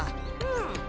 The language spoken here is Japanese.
うん。